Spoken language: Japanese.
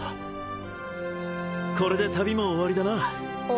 これで旅も終わりだな